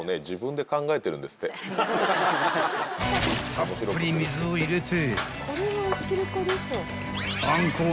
［たっぷり水を入れて］